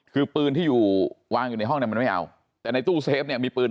คือปืนที่อยู่วางอยู่ในห้องนั้นไม่เอาแต่ในตู้เซฟมีปืน